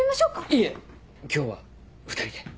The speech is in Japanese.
いえ今日は２人で。